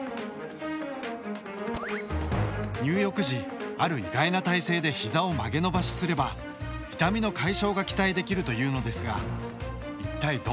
入浴時ある意外な体勢でひざを曲げ伸ばしすれば痛みの解消が期待できるというのですが一体どんな体勢だと思いますか？